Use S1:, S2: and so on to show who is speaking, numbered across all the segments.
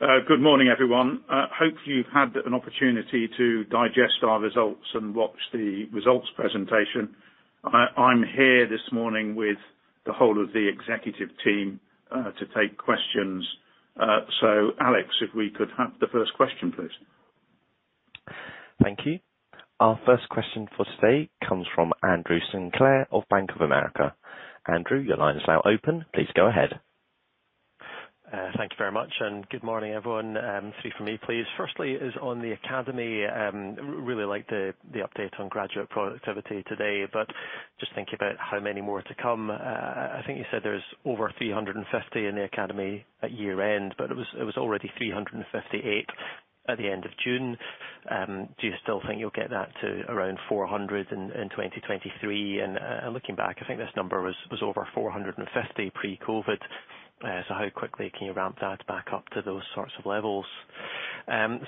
S1: Good morning, everyone. Hopefully you've had an opportunity to digest our results and watch the results presentation. I'm here this morning with the whole of the executive team, to take questions. Alex, if we could have the first question, please.
S2: Thank you. Our first question for today comes from Andrew Sinclair of Bank of America. Andrew, your line is now open. Please go ahead.
S3: Thank you very much, and good morning, everyone. Three from me, please. Firstly is on the academy. really liked the update on graduate productivity today. Just thinking about how many more to come. I think you said there's over 350 in the academy at year-end, but it was already 358 at the end of June. Do you still think you'll get that to around 400 in 2023? Looking back, I think this number was over 450 pre-COVID. How quickly can you ramp that back up to those sorts of levels?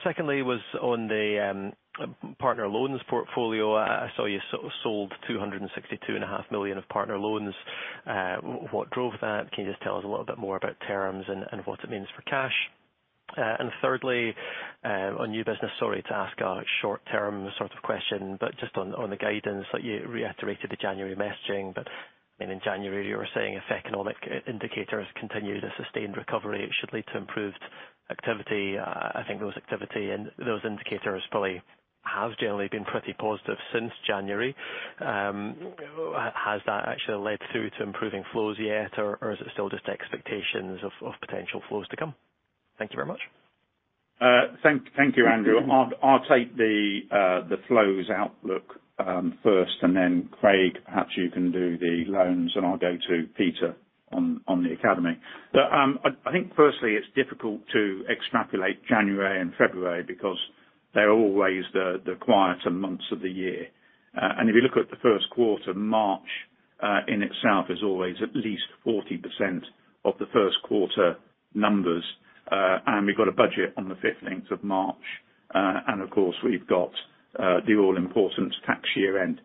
S3: Secondly was on the partner loans portfolio. I saw you sold two hundred and sixty-two and a half million of partner loans. What drove that? Can you just tell us a little bit more about terms and what it means for cash? Thirdly, on new business, sorry to ask a short-term sort of question, but just on the guidance that you reiterated the January messaging. I mean, in January you were saying if economic indicators continue at a sustained recovery, it should lead to improved activity. Those activity and those indicators probably have generally been pretty positive since January. Has that actually led through to improving flows yet, or is it still just expectations of potential flows to come? Thank you very much.
S1: Thank you, Andrew. I'll take the flows outlook first, and then Craig, perhaps you can do the loans, and I'll go to Peter on the academy. I think firstly it's difficult to extrapolate January and February because they're always the quieter months of the year. If you look at the first quarter, March in itself is always at least 40% of the first quarter numbers. We got a budget on the 15th of March. Of course we've got the all important tax year end.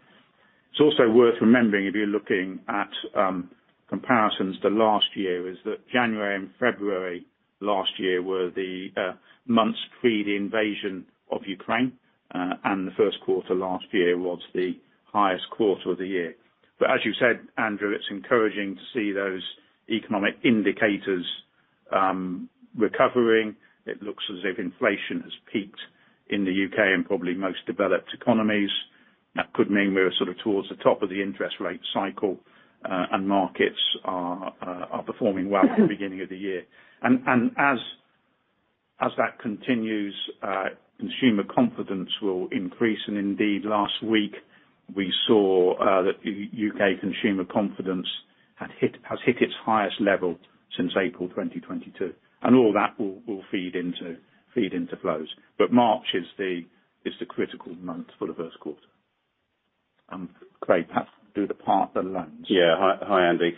S1: It's also worth remembering if you're looking at comparisons to last year, is that January and February last year were the months pre the invasion of Ukraine. The first quarter last year was the highest quarter of the year. As you said, Andrew, it's encouraging to see those economic indicators recovering. It looks as if inflation has peaked in the U.K. and probably most developed economies. That could mean we're sort of towards the top of the interest rate cycle, and markets are performing well at the beginning of the year. As that continues, consumer confidence will increase. Indeed, last week we saw that U.K. consumer confidence has hit its highest level since April 2022. All that will feed into flows. March is the critical month for the first quarter. Craig, perhaps do the partner loans.
S4: Yeah. Hi, Andy.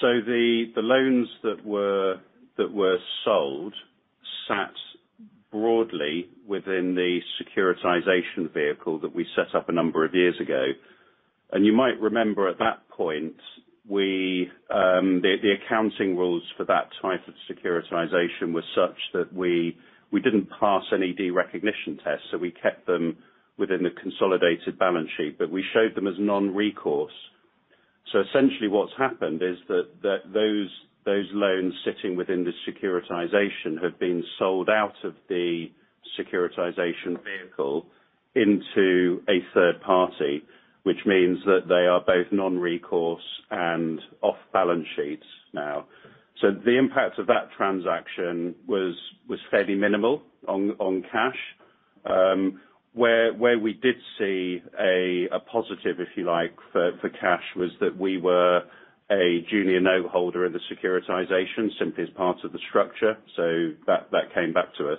S4: The loans that were sold sat broadly within the securitization vehicle that we set up a number of years ago. You might remember at that point, we, the accounting rules for that type of securitization were such that we didn't pass any derecognition tests, so we kept them within the consolidated balance sheet, but we showed them as non-recourse. Essentially what's happened is that those loans sitting within the securitization have been sold out of the securitization vehicle into a third party, which means that they are both non-recourse and off balance sheets now. The impact of that transaction was fairly minimal on cash. Where, where we did see a positive, if you like, for cash, was that we were a junior note holder in the securitization, simply as part of the structure. That, that came back to us.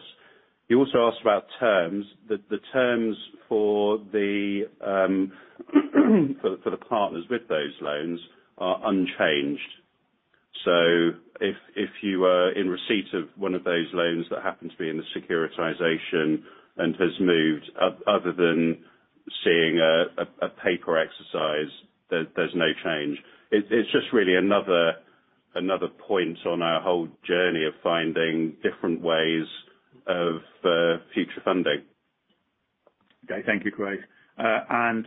S4: You also asked about terms. The, the terms for the, for the partners with those loans are unchanged. If, if you are in receipt of one of those loans that happen to be in the securitization and has moved, other than seeing a, a paper exercise, there's no change. It's, it's just really another point on our whole journey of finding different ways of future funding.
S1: Okay. Thank you, Craig. On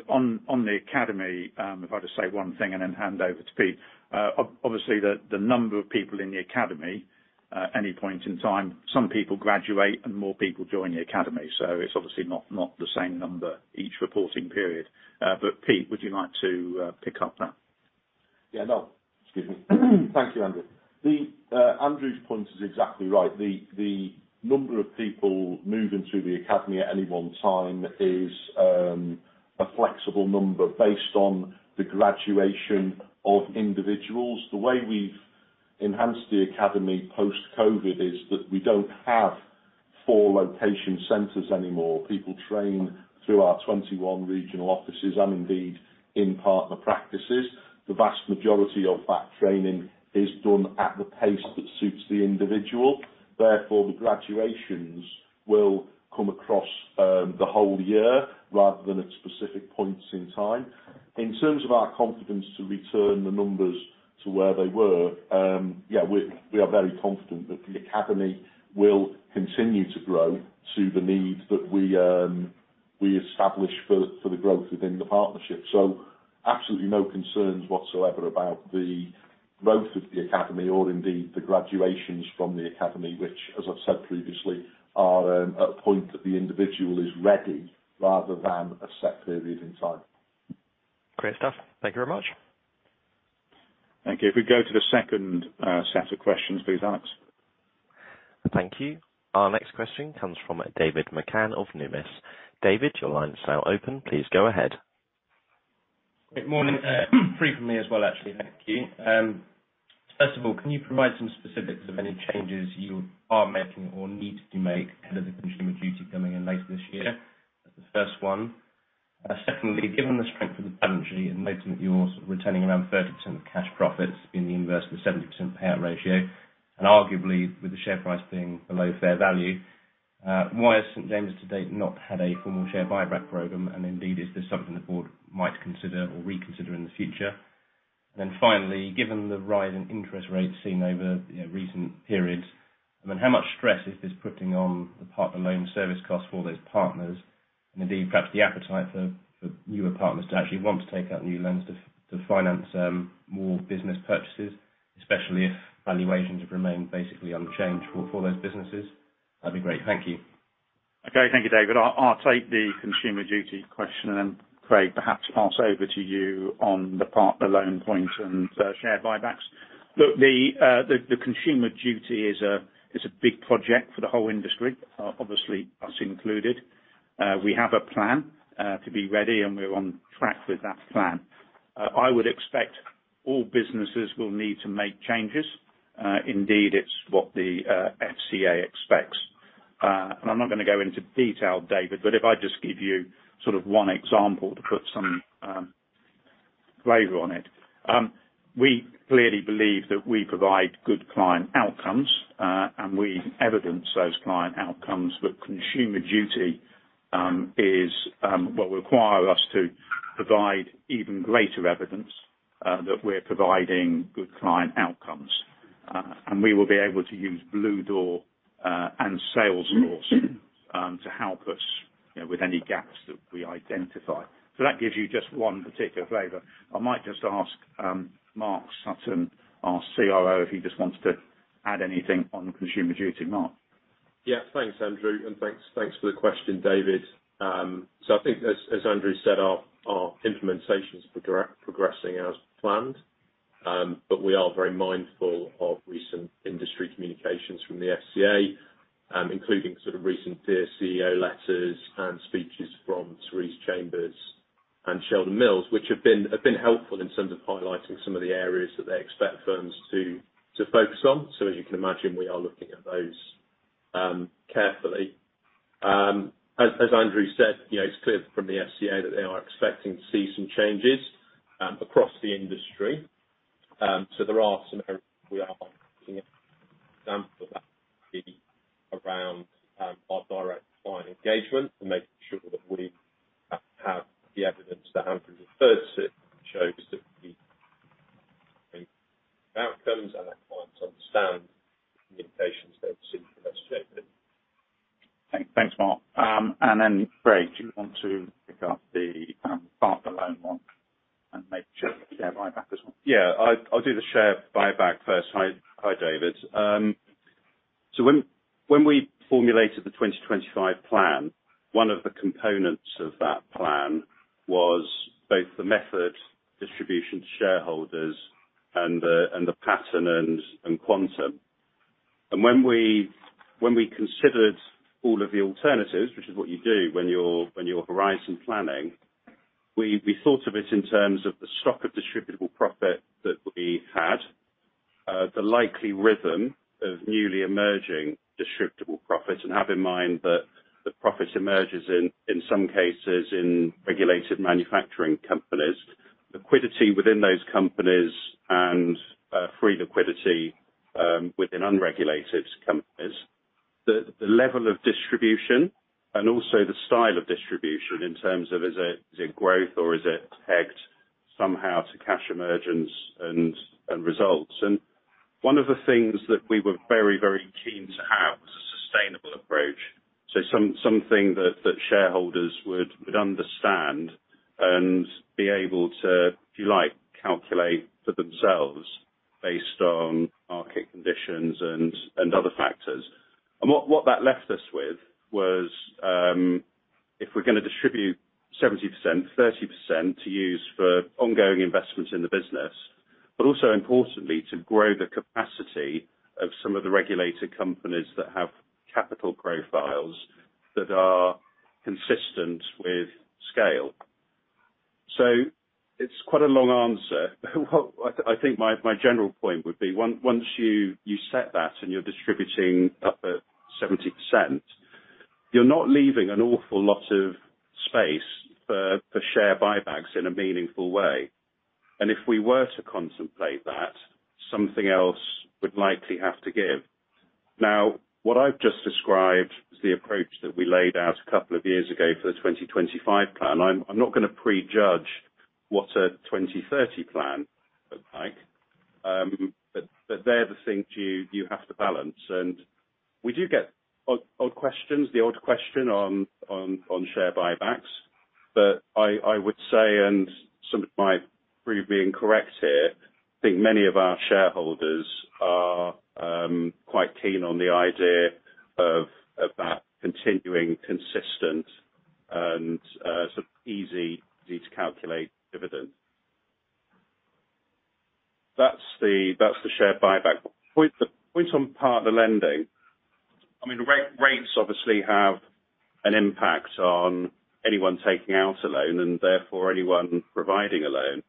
S1: the academy, if I just say one thing and then hand over to Pete. Obviously the number of people in the academy, at any point in time, some people graduate and more people join the academy, so it's obviously not the same number each reporting period. Pete, would you like to pick up that?
S5: Yeah, no. Excuse me. Thank you, Andrew. The Andrew's point is exactly right. The number of people moving through the academy at any one time is a flexible number based on the graduation of individuals. The way we've enhanced the academy post-COVID is that we don't have four location centers anymore. People train through our 21 regional offices and indeed in partner practices. The vast majority of that training is done at the pace that suits the individual. Therefore, the graduations will come across the whole year rather than at specific points in time. In terms of our confidence to return the numbers to where they were, yeah, we are very confident that the academy will continue to grow to the needs that we establish for the growth within the partnership. Absolutely no concerns whatsoever about the growth of the academy or indeed the graduations from the academy, which as I've said previously, are, a point that the individual is ready rather than a set period in time.
S3: Great stuff. Thank you very much.
S1: Thank you. If we go to the second, set of questions, please, Alex.
S2: Thank you. Our next question comes from David McCann of Numis. David, your line is now open. Please go ahead.
S6: Good morning. Three for me as well, actually. Thank you. First of all, can you provide some specifics of any changes you are making or need to make ahead of the Consumer Duty coming in later this year? That's the first one. Secondly, given the strength of the balance sheet and noting that you're sort of returning around 30% cash profits in the inverse of the 70% payout ratio, and arguably with the share price being below fair value, why has St. James's, to date, not had a formal share buyback program? Is this something the board might consider or reconsider in the future? Finally, given the rise in interest rates seen over, you know, recent periods, I mean, how much stress is this putting on the partner loan service cost for those partners? Indeed, perhaps the appetite for newer partners to actually want to take out new loans to finance more business purchases, especially if valuations have remained basically unchanged for those businesses. That'd be great. Thank you.
S1: Okay. Thank you, David. I'll take the Consumer Duty question, and then Craig perhaps pass over to you on the partner loan point and share buybacks. Look, the Consumer Duty is a big project for the whole industry, obviously us included. We have a plan to be ready, and we're on track with that plan. I would expect all businesses will need to make changes. Indeed, it's what the FCA expects. I'm not gonna go into detail, David, but if I just give you sort of one example to put some flavor on it. We clearly believe that we provide good client outcomes, and we evidence those client outcomes. Consumer Duty will require us to provide even greater evidence that we're providing good client outcomes. We will be able to use Bluedoor, and Salesforce, to help us, you know, with any gaps that we identify. That gives you just one particular flavor. I might just ask, Mark Sutton, our CRO, if he just wants to add anything on Consumer Duty. Mark?
S7: Thanks, Andrew, and thanks for the question, David. I think as Andrew said, our implementation's progressing as planned. We are very mindful of recent industry communications from the FCA, including sort of recent Dear CEO letters and speeches from Therese Chambers and Sheldon Mills, which have been helpful in terms of highlighting some of the areas that they expect firms to focus on. As you can imagine, we are looking at those carefully. As Andrew said, you know, it's clear from the FCA that they are expecting to see some changes across the industry. There are some areas we are looking at. An example of that would be around our direct client engagement and making sure that we have the evidence that Andrew referred to shows that we outcomes and our clients understand the implications they've seen for their statement.
S1: Thanks, Mark. Then Craig, do you want to pick up the partner loan one and make sure share buyback as well?
S4: Yeah, I'll do the share buyback first. Hi, David. When we formulated the 2025 plan, one of the components of that plan was both the method distribution to shareholders and the pattern and quantum. When we considered all of the alternatives, which is what you do when you're horizon planning, we thought of it in terms of the stock of distributable profit that we had, the likely rhythm of newly emerging distributable profits, and have in mind that the profit emerges in some cases in regulated manufacturing companies, liquidity within those companies and free liquidity, within unregulated companies. The level of distribution and also the style of distribution in terms of is it growth or is it pegged somehow to cash emergence and results. One of the things that we were very, very keen to have was a sustainable approach. Something that shareholders would understand and be able to, if you like, calculate for themselves based on market conditions and other factors. What that left us with was, if we're gonna distribute 70%, 30% to use for ongoing investments in the business, but also importantly, to grow the capacity of some of the regulated companies that have capital profiles that are consistent with scale. It's quite a long answer. What I think my general point would be once you set that and you're distributing up at 70%, you're not leaving an awful lot of space for share buybacks in a meaningful way. If we were to contemplate that, something else would likely have to give. What I've just described is the approach that we laid out a couple of years ago for the 2025 plan. I'm not gonna prejudge what a 2030 plan looks like. But they're the things you have to balance. We do get odd questions, the odd question on share buybacks. I would say, and some of my preview incorrect here, I think many of our shareholders are quite keen on the idea of about continuing consistent and sort of easy to calculate dividend. That's the share buyback point. The point on partner lending. I mean, rates obviously have an impact on anyone taking out a loan, and therefore anyone providing a loan.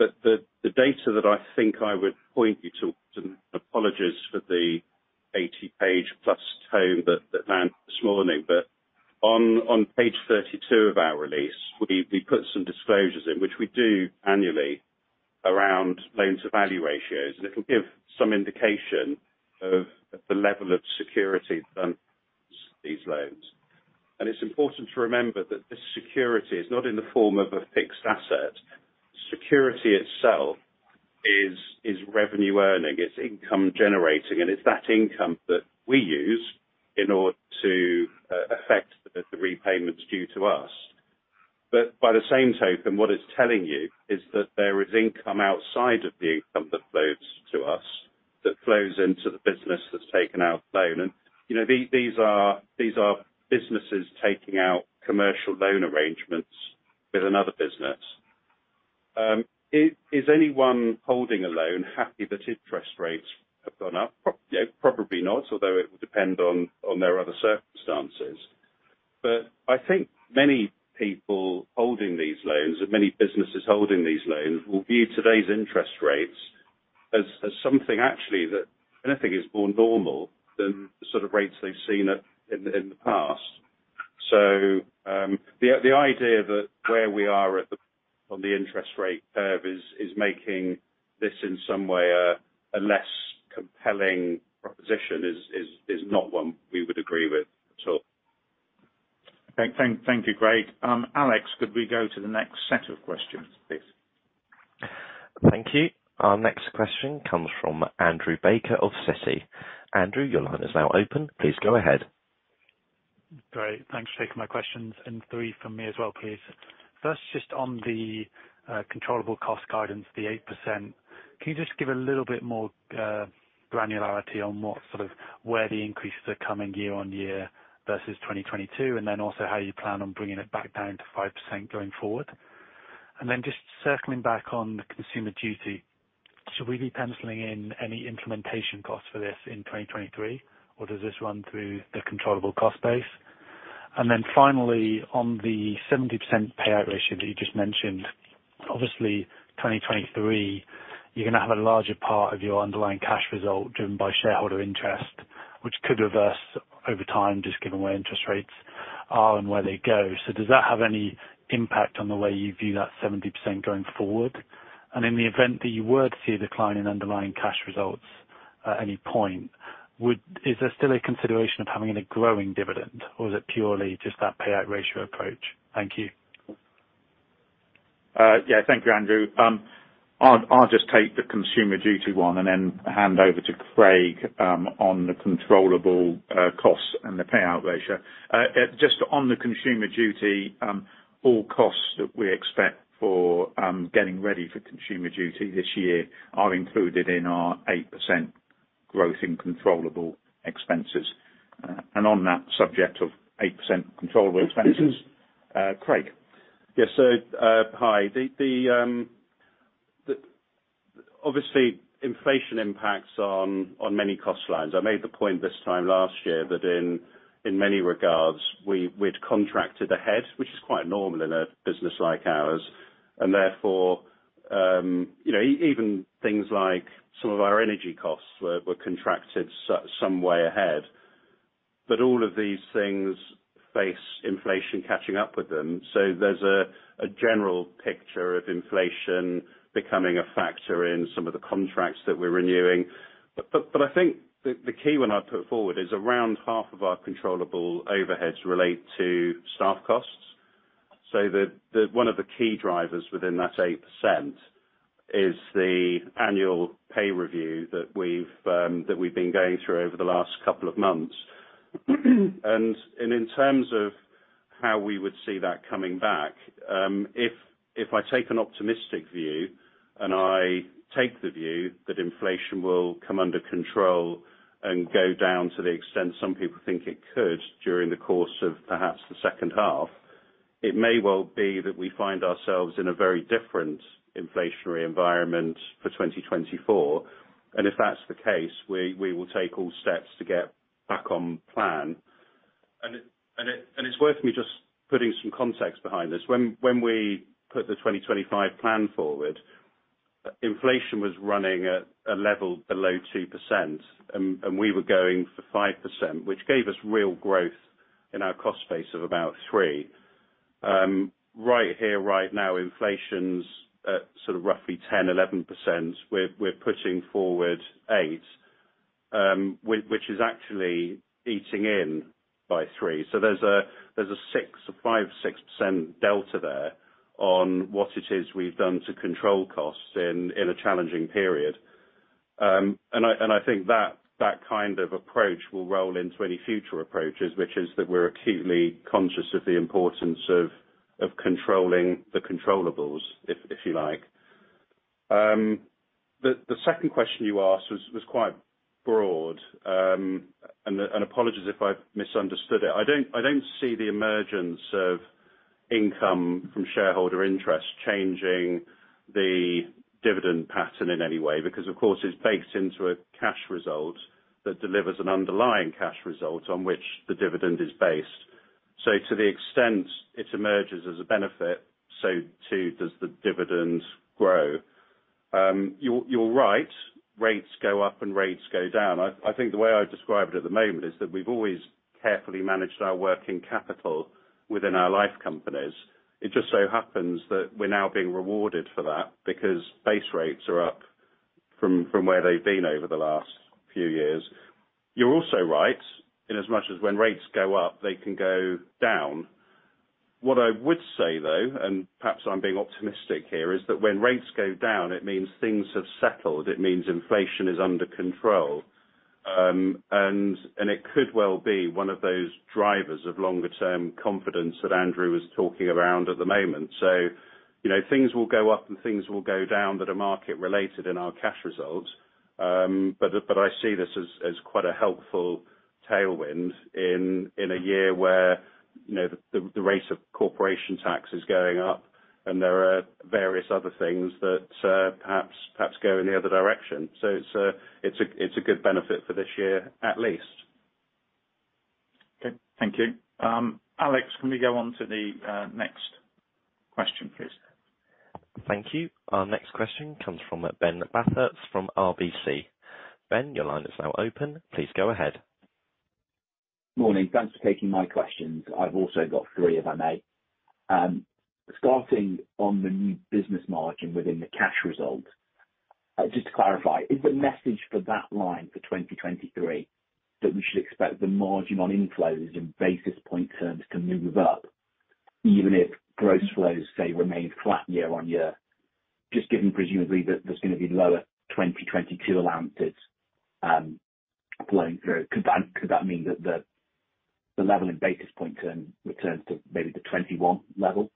S4: The data that I think I would point you to, and apologies for the 80-page plus tome that went this morning, on page 32 of our release, we put some disclosures in which we do annually around loans to value ratios, and it'll give some indication of the level of security that these loans. It's important to remember that this security is not in the form of a fixed asset. Security itself is revenue earning, it's income generating, and it's that income that we use in order to affect the repayments due to us. By the same token, what it's telling you is that there is income outside of the income that flows to us, that flows into the business that's taken out the loan. You know, these are, these are businesses taking out commercial loan arrangements with another business. Is anyone holding a loan happy that interest rates have gone up? Yeah, probably not, although it would depend on their other circumstances. I think many people holding these loans, and many businesses holding these loans, will view today's interest rates as something actually that I think is more normal than the sort of rates they've seen in the past. The idea that where we are at the, on the interest rate curve is making this in some way a less compelling proposition is not one we would agree with at all.
S1: Thank you, Craig. Alex, could we go to the next set of questions, please?
S2: Thank you. Our next question comes from Andrew Baker of Citi. Andrew, your line is now open. Please go ahead.
S8: Great. Thanks for taking my questions. Three from me as well, please. First, just on the controllable cost guidance, the 8%. Can you just give a little bit more granularity on where the increases are coming year-on-year versus 2022, then also how you plan on bringing it back down to 5% going forward? Then just circling back on the Consumer Duty, should we be penciling in any implementation costs for this in 2023, or does this run through the controllable cost base? Then finally, on the 70% payout ratio that you just mentioned, obviously 2023, you're gonna have a larger part of your underlying cash result driven by shareholder interest, which could reverse over time just given where interest rates are and where they go. Does that have any impact on the way you view that 70% going forward? In the event that you were to see a decline in underlying cash results at any point, is there still a consideration of having a growing dividend, or is it purely just that payout ratio approach? Thank you.
S1: Yeah. Thank you, Andrew. I'll just take the Consumer Duty one and then hand over to Craig on the controllable costs and the payout ratio. Just on the Consumer Duty, all costs that we expect for getting ready for Consumer Duty this year are included in our 8% growth in controllable expenses. On that subject of 8% controllable expenses, Craig.
S4: Yes, hi. The... Obviously, inflation impacts on many cost lines. I made the point this time last year that in many regards, we'd contracted ahead, which is quite normal in a business like ours, and therefore, you know, even things like some of our energy costs were contracted some way ahead. All of these things face inflation catching up with them. There's a general picture of inflation becoming a factor in some of the contracts that we're renewing. I think the key one I'd put forward is around half of our controllable overheads relate to staff costs. One of the key drivers within that 8% is the annual pay review that we've been going through over the last couple of months. In terms of how we would see that coming back, if I take an optimistic view, and I take the view that inflation will come under control and go down to the extent some people think it could during the course of perhaps the second half, it may well be that we find ourselves in a very different inflationary environment for 2024. If that's the case, we will take all steps to get back on plan. It's worth me just putting some context behind this. When we put the 2025 plan forward, inflation was running at a level below 2%, and we were going for 5%, which gave us real growth in our cost base of about 3%. Right here, right now, inflation's at sort of roughly 10%, 11%. We're putting forward eight, which is actually eating in by three. There's a 6%... 5%, 6% delta there on what it is we've done to control costs in a challenging period. I think that kind of approach will roll into any future approaches, which is that we're acutely conscious of the importance of controlling the controllables, if you like. The second question you asked was quite broad, and apologies if I've misunderstood it. I don't see the emergence of income from shareholder interest changing the dividend pattern in any way because, of course, it's baked into a cash result that delivers an underlying cash result on which the dividend is based. To the extent it emerges as a benefit, so too does the dividend grow. You're right, rates go up and rates go down. I think the way I've described it at the moment is that we've always carefully managed our working capital within our life companies. It just so happens that we're now being rewarded for that because base rates are up from where they've been over the last few years. You're also right in as much as when rates go up, they can go down. What I would say, though, and perhaps I'm being optimistic here, is that when rates go down, it means things have settled. It means inflation is under control, and it could well be one of those drivers of longer-term confidence that Andrew was talking around at the moment. You know, things will go up and things will go down that are market related in our cash results. I see this as quite a helpful tailwind in a year where, you know, the rate of corporation tax is going up and there are various other things that perhaps go in the other direction. It's a good benefit for this year, at least.
S1: Thank you. Alex, can we go on to the next question, please?
S2: Thank you. Our next question comes from Ben Bathurst from RBC. Ben, your line is now open. Please go ahead.
S9: Morning. Thanks for taking my questions. I've also got three, if I may. Starting on the new business margin within the cash result. Just to clarify, is the message for that line for 2023 that we should expect the margin on inflows in basis point terms to move up even if gross flows, say, remain flat year-on-year, just given presumably that there's gonna be lower 2022 allowances flowing through? Could that mean that the level in basis point turn returns to maybe the 2021 level?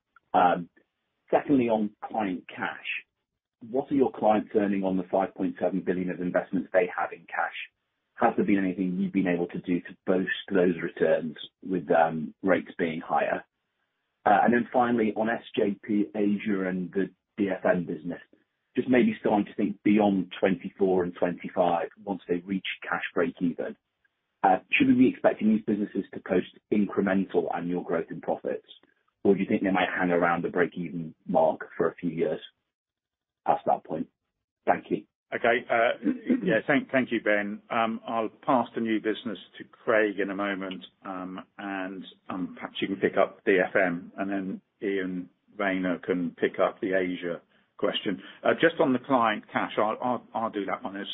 S9: Secondly, on client cash. What are your clients earning on the 5.7 billion of investments they have in cash? Has there been anything you've been able to do to boost those returns with rates being higher? Finally, on sjp.asia and the DFM business, just maybe starting to think beyond 2024 and 2025 once they reach cash breakeven. Should we be expecting these businesses to post incremental annual growth and profits, or do you think they might hang around the breakeven mark for a few years past that point? Thank you.
S1: Okay. Yeah, thank you, Ben. I'll pass the new business to Craig in a moment, and perhaps you can pick up DFM, and then Iain Rayner can pick up the Asia question. Just on the client cash, I'll do that one as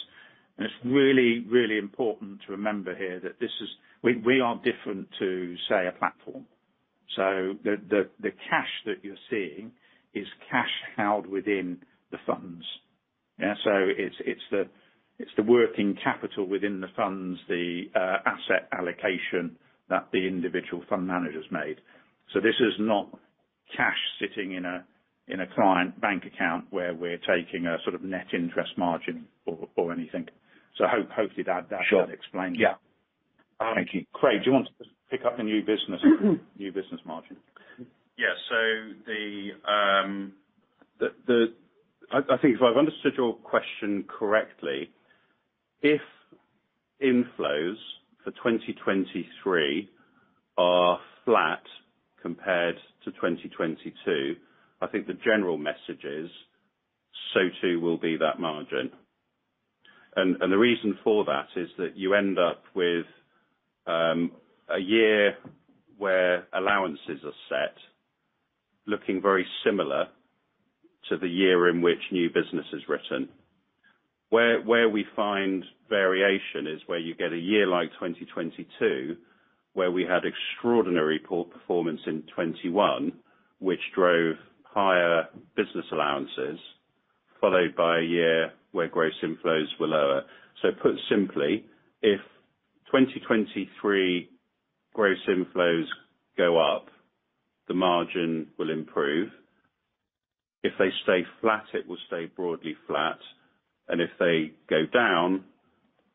S1: it's really, really important to remember here that this is we are different to, say, a platform. The cash that you're seeing is cash held within the funds. Yeah? It's the working capital within the funds, the asset allocation that the individual fund managers made. This is not cash sitting in a client bank account where we're taking a sort of net interest margin or anything. Hopefully that explains it.
S9: Sure. Yeah. Thank you.
S1: Craig, do you want to pick up the new business, new business margin?
S4: Yeah. I think if I've understood your question correctly, if inflows for 2023 are flat compared to 2022, I think the general message is so too will be that margin. The reason for that is that you end up with a year where allowances are set looking very similar to the year in which new business is written. Where we find variation is where you get a year like 2022, where we had extraordinary poor performance in 2021, which drove higher business allowances, followed by a year where gross inflows were lower. Put simply, if 2023 gross inflows go up, the margin will improve. If they stay flat, it will stay broadly flat. If they go down,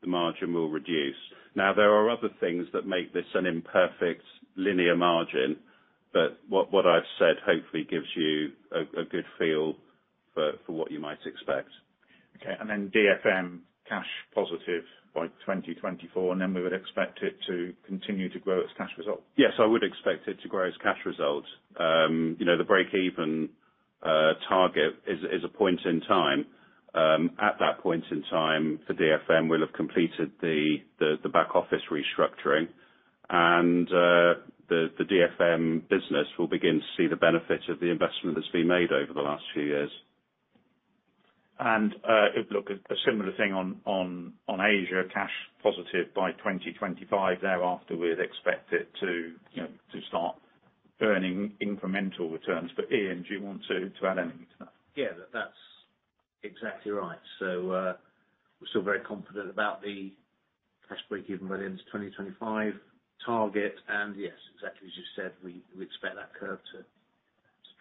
S4: the margin will reduce. There are other things that make this an imperfect linear margin, but what I've said hopefully gives you a good feel for what you might expect.
S9: Okay. And then DFM cash positive by 2024, and then we would expect it to continue to grow its cash result?
S4: Yes, I would expect it to grow as cash result. You know, the breakeven target is a point in time. At that point in time, the DFM will have completed the back office restructuring, and the DFM business will begin to see the benefit of the investment that's been made over the last few years.
S1: Look, a similar thing on, on Asia. Cash positive by 2025. Thereafter, we'd expect it to, you know, to start earning incremental returns. Iain, do you want to add anything to that?
S10: Yeah. That's exactly right. We're still very confident about the cash break-even by the end of 2025 target. Yes, exactly as you said, we expect that curve to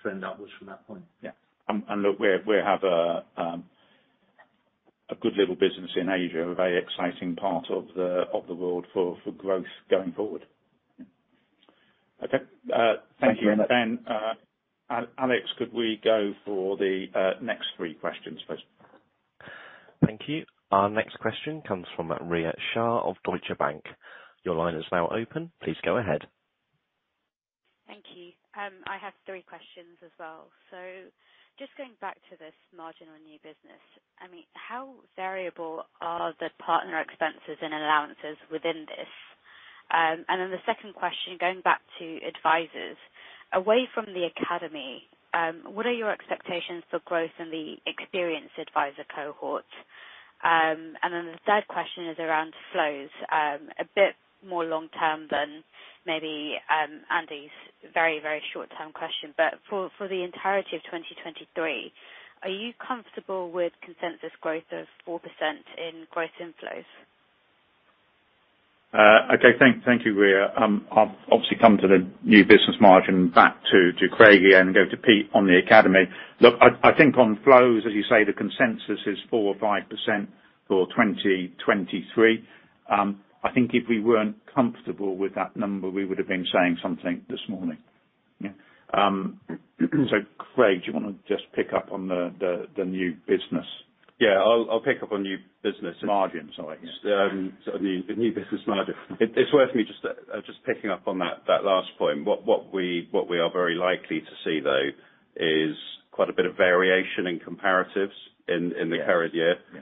S10: trend upwards from that point.
S1: Yeah. Look, we have a good little business in Asia, a very exciting part of the world for growth going forward. Okay.
S9: Thank you.
S1: Thank you. Alex, could we go for the next three questions, please?
S2: Thank you. Our next question comes from Rhea Shah of Deutsche Bank. Your line is now open. Please go ahead.
S11: Thank you. I have three questions as well. Just going back to this marginal new business. I mean, how variable are the partner expenses and allowances within this? The second question, going back to advisors. Away from the academy, what are your expectations for growth in the experienced advisor cohort? The third question is around flows. A bit more long term than maybe, Andy's very, very short-term question. For the entirety of 2023, are you comfortable with consensus growth of 4% in gross inflows?
S1: Okay. Thank you, Rhea. I'll obviously come to the new business margin back to Craig here and go to Pete on the academy. Look, I think on flows, as you say, the consensus is 4% or 5% for 2023. I think if we weren't comfortable with that number, we would have been saying something this morning. Yeah. Craig, do you wanna just pick up on the new business?
S4: Yeah, I'll pick up on new business margins.
S1: Yeah.
S4: The new business margin. It's worth me just picking up on that last point. What we are very likely to see though is quite a bit of variation in comparatives in the current year.
S1: Yeah.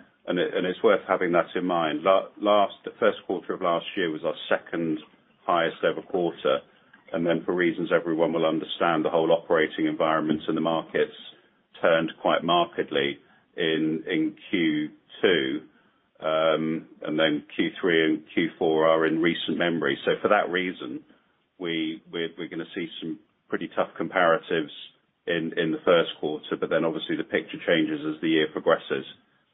S4: It's worth having that in mind. The first quarter of last year was our second highest ever quarter. For reasons everyone will understand, the whole operating environments in the markets turned quite markedly in Q2. Q3 and Q4 are in recent memory. For that reason, we're gonna see some pretty tough comparatives in the first quarter. Obviously the picture changes as the year progresses,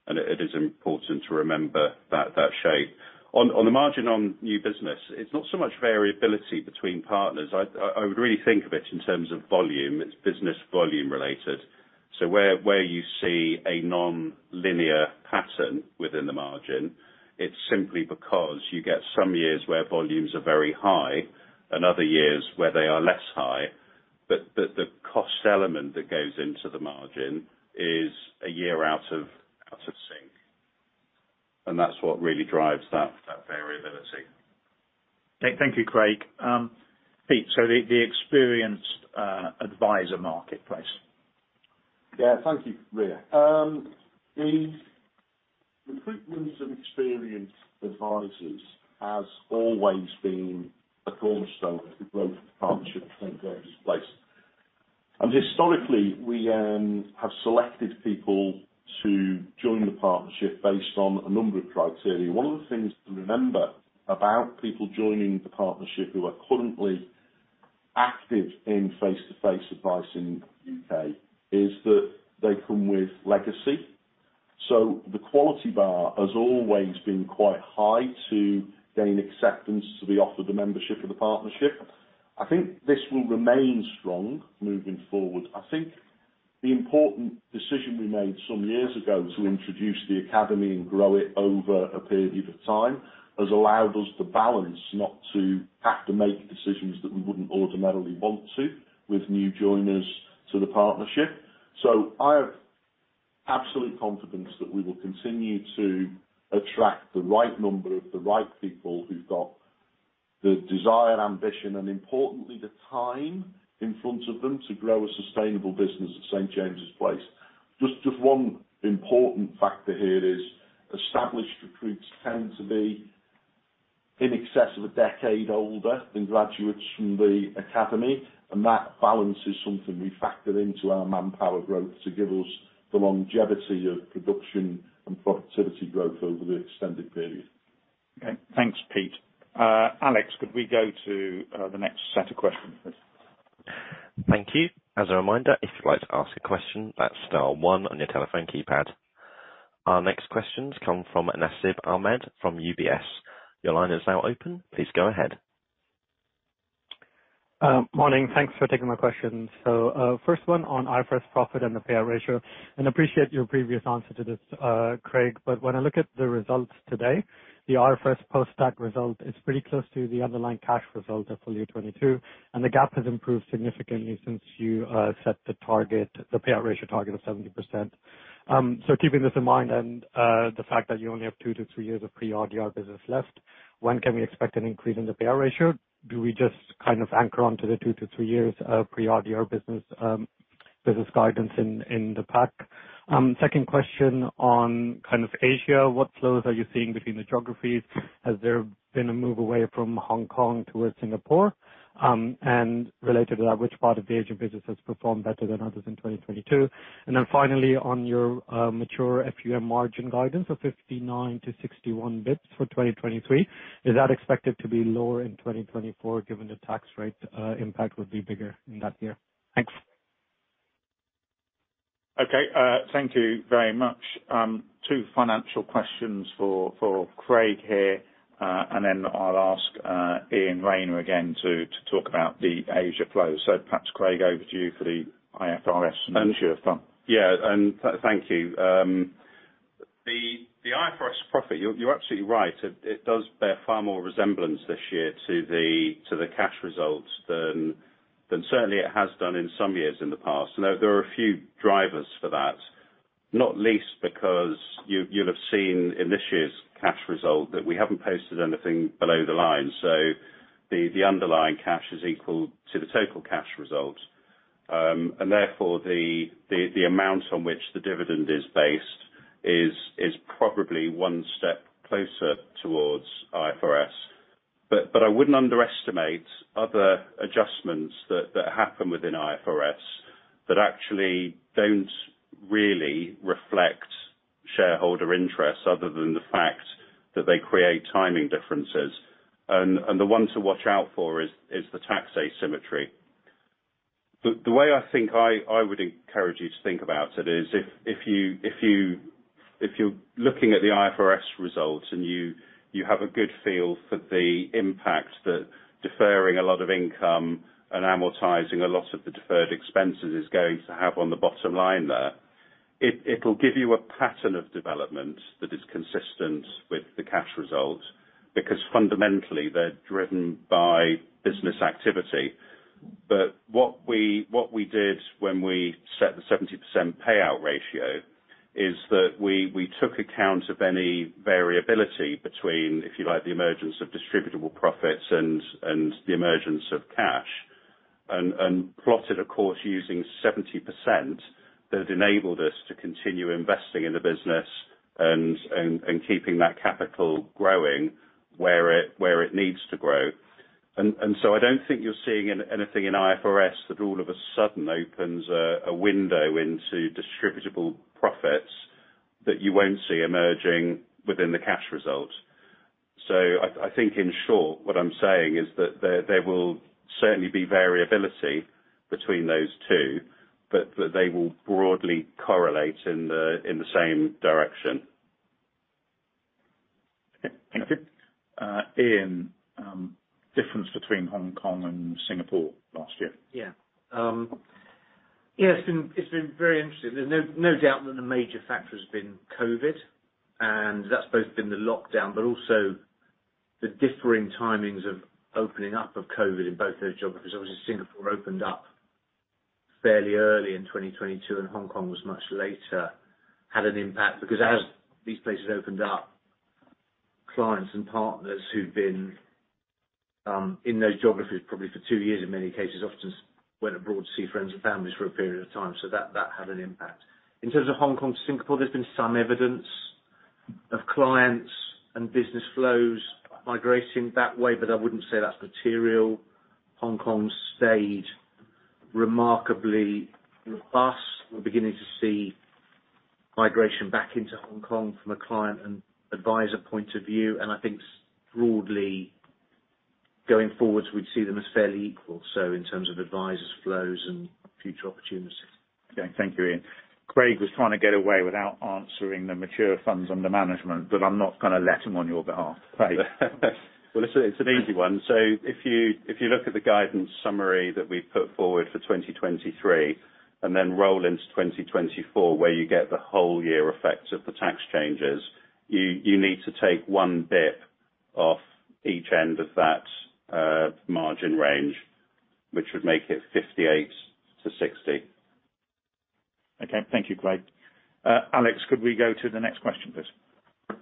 S4: and it is important to remember that shape. On the margin on new business, it's not so much variability between partners. I would really think of it in terms of volume. It's business volume related. Where you see a nonlinear pattern within the margin, it's simply because you get some years where volumes are very high and other years where they are less high. But the cost element that goes into the margin is a year out of sync, and that's what really drives that variability.
S1: Thank you, Craig. Pete, so the experienced advisor marketplace.
S5: Yeah. Thank you, Rhea. The recruitment of experienced advisors has always been a cornerstone of the growth of partnership at St. James's Place. Historically, we have selected people to join the partnership based on a number of criteria. One of the things to remember about people joining the partnership who are currently active in face-to-face advising in the U.K. is that they come with legacy. The quality bar has always been quite high to gain acceptance to be offered the membership of the partnership. I think this will remain strong moving forward. I think the important decision we made some years ago to introduce the academy and grow it over a period of time has allowed us to balance not to have to make decisions that we wouldn't automatically want to with new joiners to the partnership. I have absolute confidence that we will continue to attract the right number of the right people who've got the desire, ambition, and importantly, the time in front of them to grow a sustainable business at St. James's Place. Just one important factor here is established recruits tend to be in excess of a decade older than graduates from the academy, and that balance is something we factor into our manpower growth to give us the longevity of production and productivity growth over the extended period.
S1: Okay. Thanks, Pete. Alex, could we go to the next set of questions, please?
S2: Thank you. As a reminder, if you'd like to ask a question, that's star one on your telephone keypad. Our next questions come from Nasib Ahmed from UBS. Your line is now open. Please go ahead.
S12: Morning. Thanks for taking my questions. First one on IFRS profit and the payout ratio, and appreciate your previous answer to this, Craig. When I look at the results today, the IFRS post-tax result is pretty close to the underlying cash result of full year 2022, and the gap has improved significantly since you set the target, the payout ratio target of 70%. Keeping this in mind and the fact that you only have two to three years of pre-RDR business left, when can we expect an increase in the payout ratio? Do we just kind of anchor onto the two to three years of pre-RDR business guidance in the pack? Second question on kind of Asia. What flows are you seeing between the geographies? Has there been a move away from Hong Kong towards Singapore? Related to that, which part of the Asian business has performed better than others in 2022? Finally on your mature FUM margin guidance of 59-61 basis points for 2023, is that expected to be lower in 2024 given the tax rate impact would be bigger in that year? Thanks.
S1: Okay. Thank you very much. Two financial questions for Craig here, and then I'll ask Iain Rayner again to talk about the Asia flow. Perhaps Craig, over to you for the IFRS and mature fund.
S4: Thank you. The IFRS profit, you're absolutely right. It does bear far more resemblance this year to the cash results than certainly it has done in some years in the past. There are a few drivers for that, not least because you'll have seen in this year's cash result that we haven't posted anything below the line. The underlying cash is equal to the total cash result. Therefore, the amount on which the dividend is based is probably one step closer towards IFRS. I wouldn't underestimate other adjustments that happen within IFRS that actually don't really reflect shareholder interests other than the fact that they create timing differences. The one to watch out for is the tax asymmetry. The way I think I would encourage you to think about it is if you're looking at the IFRS results and you have a good feel for the impact that deferring a lot of income and amortizing a lot of the deferred expenses is going to have on the bottom line there, it'll give you a pattern of development that is consistent with the cash result because fundamentally they're driven by business activity. What we did when we set the 70% payout ratio is that we took account of any variability between, if you like, the emergence of distributable profits and the emergence of cash. Plotted a course using 70% that enabled us to continue investing in the business and keeping that capital growing where it needs to grow. I don't think you're seeing anything in IFRS that all of a sudden opens a window into distributable profits that you won't see emerging within the cash result. I think in short, what I'm saying is that there will certainly be variability between those two, but that they will broadly correlate in the same direction.
S1: Okay. Thank you. Iain, difference between Hong Kong and Singapore last year?
S10: Yeah. Yeah, it's been, it's been very interesting. There's no doubt that the major factor has been COVID, and that's both been the lockdown, but also the differing timings of opening up of COVID in both those geographies. Obviously, Singapore opened up fairly early in 2022, and Hong Kong was much later. Had an impact because as these places opened up, clients and partners who've been in those geographies probably for two years in many cases often went abroad to see friends and families for a period of time. That, that had an impact. In terms of Hong Kong to Singapore, there's been some evidence of clients and business flows migrating that way, but I wouldn't say that's material. Hong Kong stayed remarkably robust. We're beginning to see migration back into Hong Kong from a client and advisor point of view. I think broadly going forward we'd see them as fairly equal, so in terms of advisors flows and future opportunities.
S1: Okay. Thank you, Iain. Craig was trying to get away without answering the mature funds under management, but I'm not gonna let him on your behalf. Craig?
S4: It's an easy one. If you look at the guidance summary that we've put forward for 2023 and then roll into 2024, where you get the whole year effect of the tax changes, you need to take 1 basis point off each end of that margin range, which would make it 58-60.
S1: Okay. Thank you, Craig. Alex, could we go to the next question, please?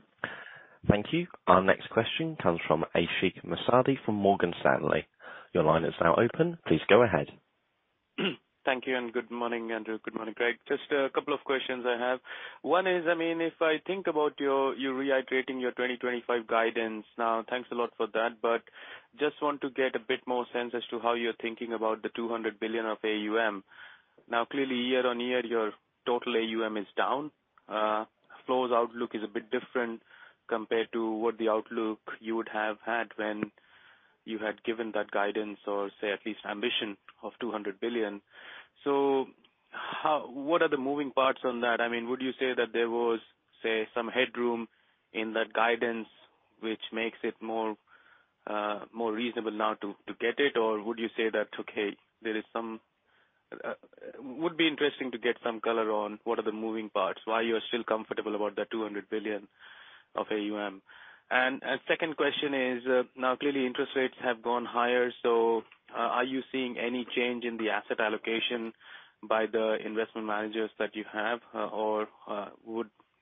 S2: Thank you. Our next question comes from Ashik Musaddi from Morgan Stanley. Your line is now open. Please go ahead.
S13: Thank you. Good morning, Andrew. Good morning, Craig. Just a couple of questions I have. One is, I mean, if I think about your, you reiterating your 2025 guidance. Thanks a lot for that, just want to get a bit more sense as to how you're thinking about the 200 billion of AUM. Clearly year-over-year, your total AUM is down. Flows outlook is a bit different compared to what the outlook you would have had when you had given that guidance or say at least ambition of 200 billion. What are the moving parts on that? I mean, would you say that there was, say, some headroom in that guidance which makes it more, more reasonable now to get it? would you say that, okay, there is some, would be interesting to get some color on what are the moving parts, why you are still comfortable about that 200 billion of AUM. Second question is, now clearly interest rates have gone higher, are you seeing any change in the asset allocation by the investment managers that you have, or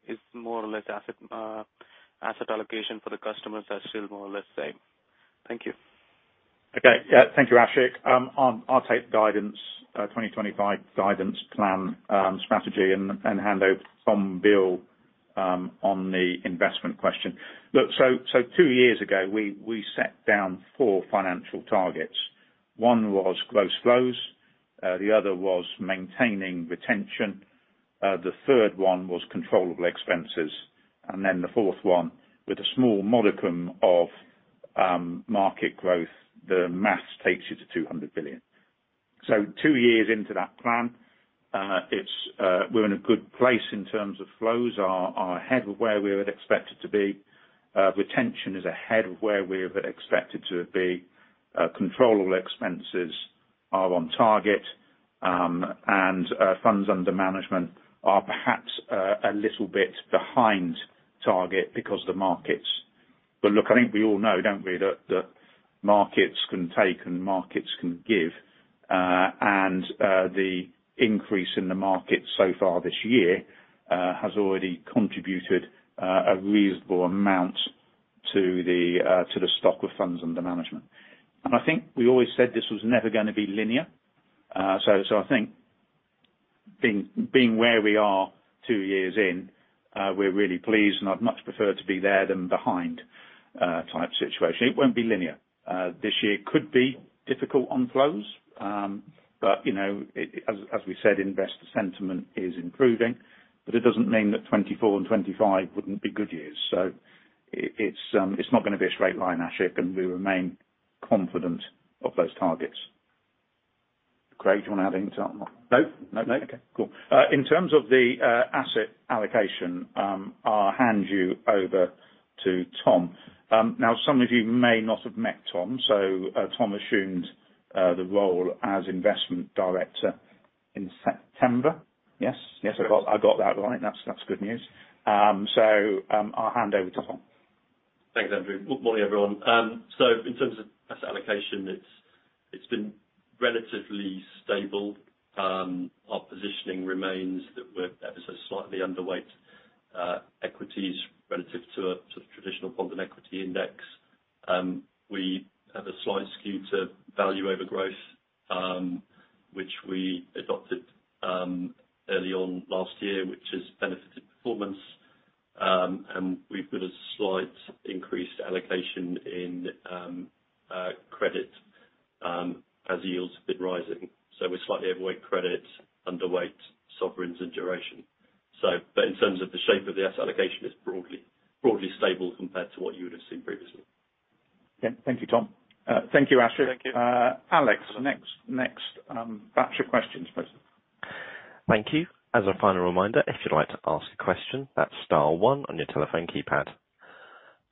S13: is more or less asset allocation for the customers are still more or less same? Thank you.
S1: Okay. Yeah. Thank you, Ashik. I'll take guidance, 2025 guidance plan, strategy and hand over from Bill on the investment question. Two years ago we set down four financial targets. One was gross flows. The other was maintaining retention. The third one was controllable expenses. The fourth one, with a small modicum of market growth, the math takes you to 200 billion. Two years into that plan, it's we're in a good place in terms of flows. Our ahead of where we would expect it to be. Retention is ahead of where we have expected to be. Controllable expenses are on target, and funds under management are perhaps a little bit behind target because the markets. Look, I think we all know, don't we, that markets can take and markets can give. The increase in the market so far this year has already contributed a reasonable amount to the stock of funds under management. I think we always said this was never gonna be linear. I think being where we are two years in, we're really pleased, and I'd much prefer to be there than behind type situation. It won't be linear. This year could be difficult on flows. You know, it, as we said, investor sentiment is improving, but it doesn't mean that 2024 and 2025 wouldn't be good years. It's not gonna be a straight line, Ashik, and we remain confident of those targets. Craig, do you want to add anything to that one?
S4: Nope.
S1: No? Okay. Cool. In terms of the asset allocation, I'll hand you over to Tom. Now, some of you may not have met Tom. Tom assumed the role as investment director in September. Yes? Yes, I got that right. That's good news. I'll hand over to Tom.
S14: Thanks, Andrew. Good morning, everyone. In terms of asset allocation, it's been relatively stable. Our positioning remains that we're ever so slightly underweight, equities relative to the traditional bond and equity index. We have a slight skew to value over growth, which we adopted, early on last year, which has benefited performance. We've got a slight increased allocation in credit as yields have been rising. We're slightly overweight credit, underweight sovereigns and duration. In terms of the shape of the asset allocation, it's broadly stable compared to what you would have seen previously.
S1: Okay. Thank you, Tom. Thank you, Ashik.
S13: Thank you.
S1: Alex, next batch of questions, please.
S2: Thank you. As a final reminder, if you'd like to ask a question, that's star one on your telephone keypad.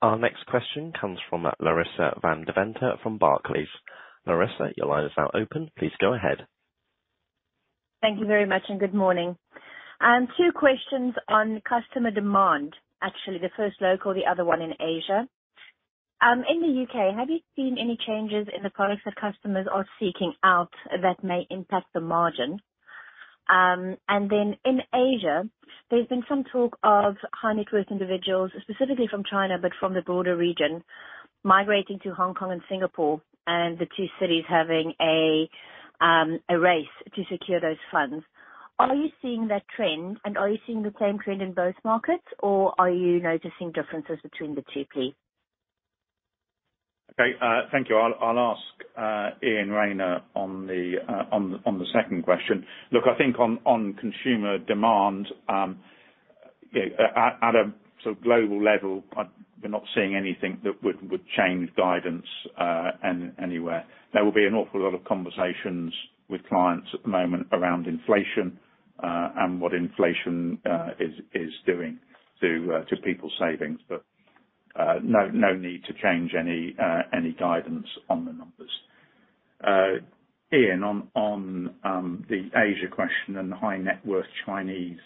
S2: Our next question comes from Larissa van Deventer from Barclays. Larissa, your line is now open. Please go ahead.
S15: Thank you very much. Good morning. Two questions on customer demand. Actually, the first local, the other one in Asia. In the U.K., have you seen any changes in the products that customers are seeking out that may impact the margin? Then in Asia, there's been some talk of high-net-worth individuals, specifically from China, but from the broader region, migrating to Hong Kong and Singapore, and the two cities having a race to secure those funds. Are you seeing that trend? Are you seeing the same trend in both markets? Or are you noticing differences between the two, please?
S1: Okay, thank you. I'll ask Iain Rayner on the, on the second question. Look, I think on consumer demand, you know, at a sort of global level, I... we're not seeing anything that would change guidance anywhere. There will be an awful lot of conversations with clients at the moment around inflation, and what inflation is doing to people's savings. No, no need to change any guidance on the numbers. Iain, on the Asia question and the high-net-worth Chinese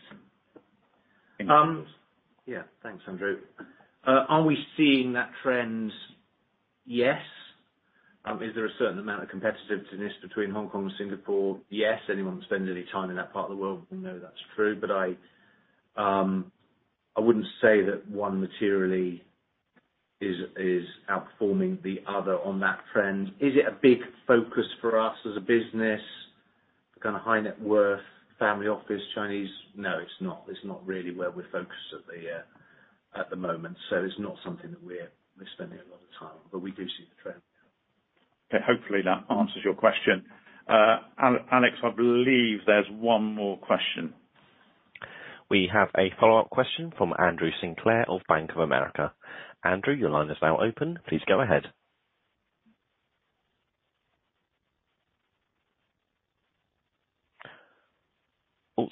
S1: investors.
S10: Yeah. Thanks, Andrew. Are we seeing that trend? Yes. Is there a certain amount of competitiveness between Hong Kong and Singapore? Yes. Anyone who spends any time in that part of the world will know that's true. I wouldn't say that one materially is outperforming the other on that trend. Is it a big focus for us as a business, the kind of high-net worth family office Chinese? No, it's not. It's not really where we're focused at the moment. It's not something that we're spending a lot of time on, but we do see the trend.
S1: Okay. Hopefully that answers your question. Alex, I believe there's one more question.
S2: We have a follow-up question from Andrew Sinclair of Bank of America. Andrew, your line is now open. Please go ahead.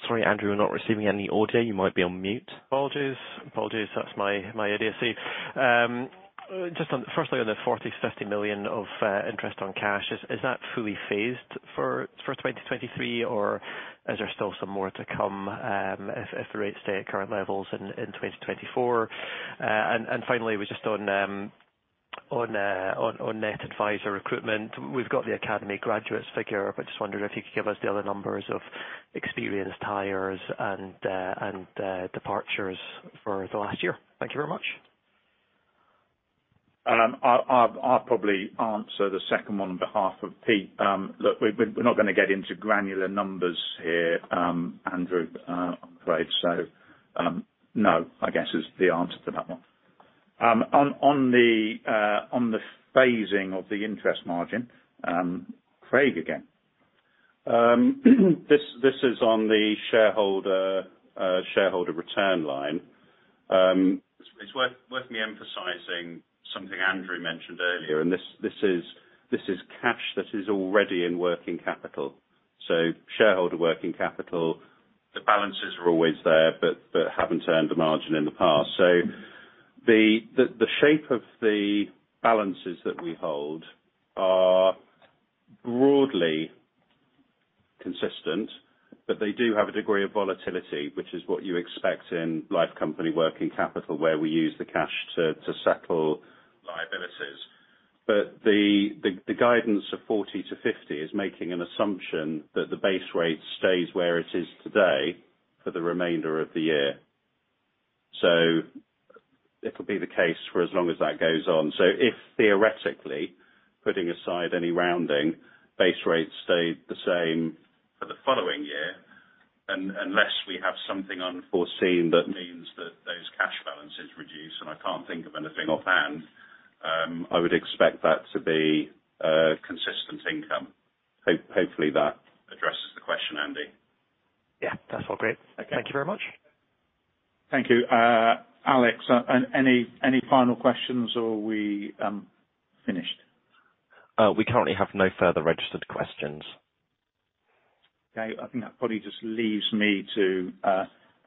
S2: Sorry, Andrew, we're not receiving any audio. You might be on mute.
S3: Apologies. That's my idiocy. Firstly, on the 40 million-50 million of interest on cash, is that fully phased for 2023? Or is there still some more to come, if the rates stay at current levels in 2024? Finally just on net advisor recruitment. We've got the academy graduates figure. Just wondering if you could give us the other numbers of experienced hires and departures for the last year. Thank you very much.
S1: I'll probably answer the second one on behalf of Pete. Look, we're not gonna get into granular numbers here, Andrew, I'm afraid so. No, I guess is the answer to that one. On the phasing of the interest margin, Craig again.
S4: This is on the shareholder return line. It's worth me emphasizing something Andrew mentioned earlier. This is cash that is already in working capital. Shareholder working capital, the balances are always there but haven't earned a margin in the past. The shape of the balances that we hold are broadly consistent, but they do have a degree of volatility, which is what you expect in life company working capital, where we use the cash to settle liabilities. The guidance of 40-50 is making an assumption that the base rate stays where it is today for the remainder of the year. It'll be the case for as long as that goes on. If theoretically, putting aside any rounding, base rates stay the same for the following year, unless we have something unforeseen that means that those cash balances reduce, and I can't think of anything offhand, I would expect that to be a consistent income. Hopefully that addresses the question, Andy.
S3: Yeah. That's all great.
S4: Okay.
S3: Thank you very much.
S1: Thank you. Alex, any final questions, or are we finished?
S2: We currently have no further registered questions.
S1: Okay. I think that probably just leaves me to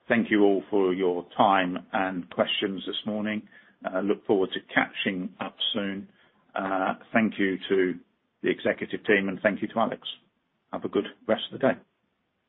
S1: thank you all for your time and questions this morning. I look forward to catching up soon. Thank you to the executive team, and thank you to Alex. Have a good rest of the day.